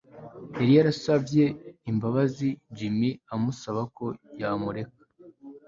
yari yarasavye imbabazi Jimmy amusabako yomureka